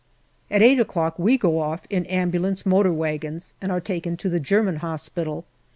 At eight o'clock we go off in ambulance motor wagons and are taken off to the German Hospital.